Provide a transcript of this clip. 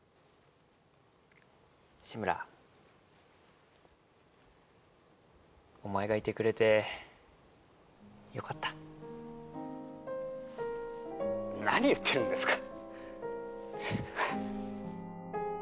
志村お前がいてくれてよかった何言ってるんですか